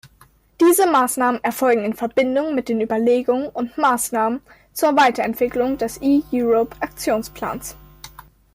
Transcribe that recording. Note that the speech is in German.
Diese Maßnahmen erfolgen in Verbindung mit den Überlegungen und Maßnahmen zur Weiterentwicklung des eEurope-Aktionsplans.